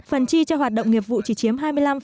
phần chi cho hoạt động nghiệp vụ chỉ chiếm hai mươi năm